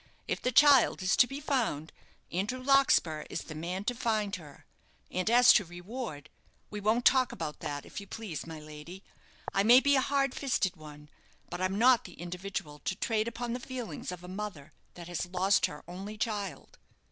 If the child is to be found, Andrew Larkspur is the man to find her; and as to reward, we won't talk about that, if you please, my lady. I may be a hard fisted one, but I'm not the individual to trade upon the feelings of a mother that has lost her only child."